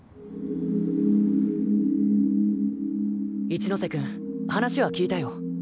一ノ瀬君話は聞いたよ。